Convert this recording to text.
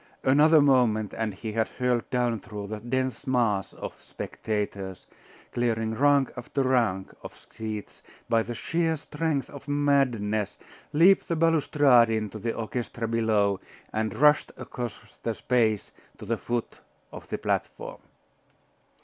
Another moment and he had hurled down through the dense mass of spectators, clearing rank after rank of seats by the sheer strength of madness, leaped the balustrade into the orchestra below, and rushed across the space to the foot of the platform.